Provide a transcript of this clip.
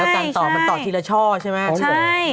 การต่อมันต่อทีละช่อใช่ไหม